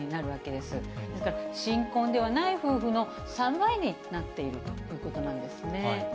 ですから、新婚ではない夫婦の３倍になっているということなんですね。